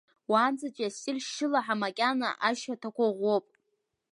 Уаанӡатәи астиль шьшьылаҳа макьана ашьаҭақәа ӷәӷәоуп.